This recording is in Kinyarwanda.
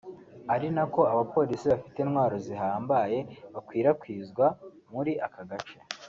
ari nako abapolisi bafite intwaro zihambaye bakwirakwizwa muri aka gace